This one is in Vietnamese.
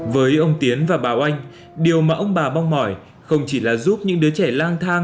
với ông tiến và bà oanh điều mà ông bà mong mỏi không chỉ là giúp những đứa trẻ lang thang